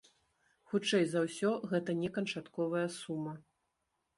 Хутчэй за ўсё гэта не канчатковая сума.